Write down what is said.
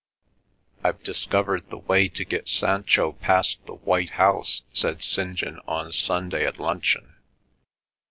"I've discovered the way to get Sancho past the white house," said St. John on Sunday at luncheon.